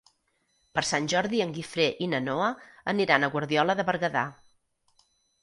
Per Sant Jordi en Guifré i na Noa aniran a Guardiola de Berguedà.